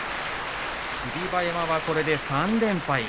霧馬山は、これで３連敗。